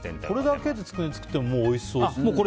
これだけで作ってもおいしそうですね。